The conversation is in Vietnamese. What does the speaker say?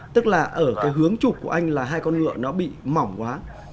tức là ở cái hướng chụp của anh là hai con ngựa nó bị mỏng quá